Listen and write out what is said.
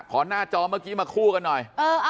หน้าจอเมื่อกี้มาคู่กันหน่อย